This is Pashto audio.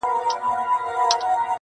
سترگو کي باڼه له ياده وباسم.